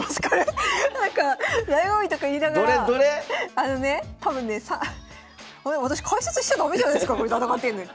あのね多分ねあれ私解説しちゃ駄目じゃないすかこれ戦ってんのに。